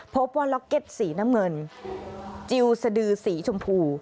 พบว่าล็อกเก็ตสีน้ำเงินจิลสดือสีชมพู